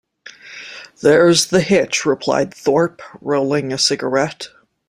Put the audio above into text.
There's the hitch, replied Thorpe, rolling a cigarette.